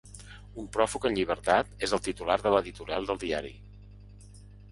Un pròfug en llibertat, és el titular de l’editorial del diari.